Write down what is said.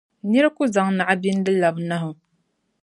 Nira ku zaŋ naɣ’ bindi n-labi nahu.